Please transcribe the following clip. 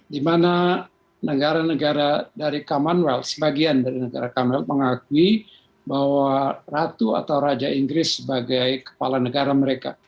di mana negara negara dari commonwealth sebagian dari negara commil mengakui bahwa ratu atau raja inggris sebagai kepala negara mereka